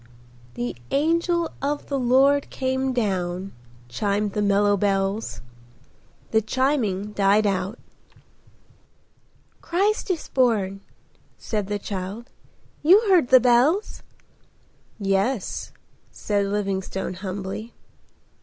"The angel of the Lord came down,"—chimed the mellow bells. The chiming died out. "Christ is born," said the child. "You heard the bells?" "Yes," said Livingstone humbly.